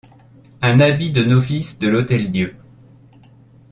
Un habit de novice de l’Hôtel-Dieu.